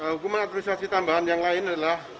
hukuman administrasi tambahan yang lain adalah